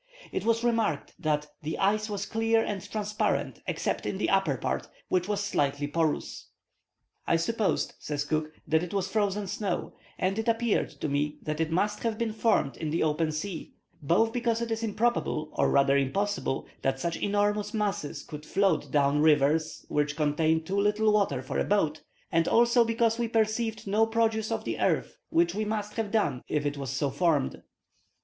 It was remarked that "the ice was clear and transparent except in the upper part, which was slightly porous." "I supposed," says Cook, "that it was frozen snow, and it appeared to me that it must have been formed in the open sea, both because it is improbable, or rather impossible, that such enormous masses could float down rivers which contain too little water for a boat, and also because we perceived no produce of the earth, which we must have done if it was so formed."